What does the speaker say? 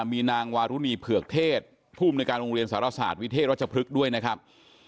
มีนางวารุณีเผือกเทศภูมิในการโรงเรียนสารศาสตร์วิเทศรัชพฤกษ์ด้วยนะครับ